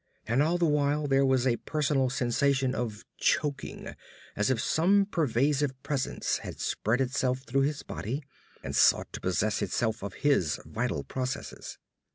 And all the while there was a personal sensation of choking, as if some pervasive presence had spread itself through his body and sought to possess itself of his vital processes.